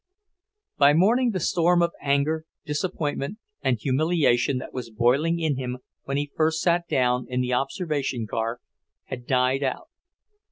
By morning the storm of anger, disappointment, and humiliation that was boiling in him when he first sat down in the observation car, had died out.